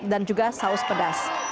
dan juga saus pedas